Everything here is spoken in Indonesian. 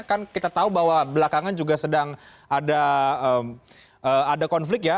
kan kita tahu bahwa belakangan juga sedang ada konflik ya